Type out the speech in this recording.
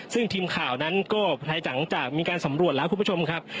ซึ่งทีมข่าวนั้นก็ภายหลังจากมีการสำรวจแล้วคุณผู้ชมครับ